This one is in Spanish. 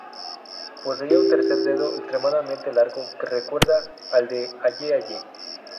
Poseía un tercer dedo extremadamente largo que recuerda al del aye-aye.